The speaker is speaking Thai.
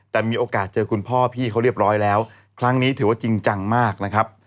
แต่มีโอกาสเจอคุณพ่อพี่เขาเรียบร้อยแล้วครั้งนี้ถือว่าจริงจังมากนะครับ